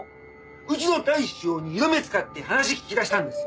うちの大将に色目使って話聞き出したんですよ。